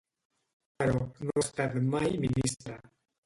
Però no ha estat mai ministre.